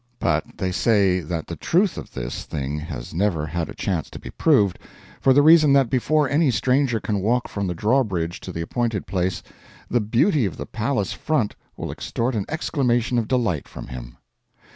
But they say that the truth of this thing has never had a chance to be proved, for the reason that before any stranger can walk from the drawbridge to the appointed place, the beauty of the palace front will extort an exclamation of delight from him.